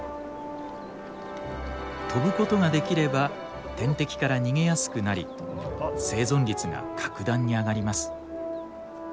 飛ぶことができれば天敵から逃げやすくなり生存率が格段に上がります。